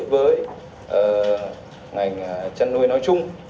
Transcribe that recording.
với ngành chất nuôi nói chung